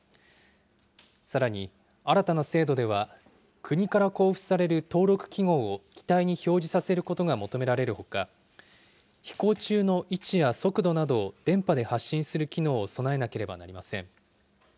さらに、新たな制度では国から交付される登録記号を機体に表示させることが求められるほか、飛行中の位置や速度などを電波で発信する機能を備えなければなりません。